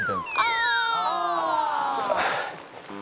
「ああ！」